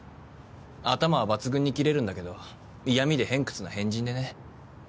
頭は抜群にキレるんだけど嫌みで偏屈な変人でね。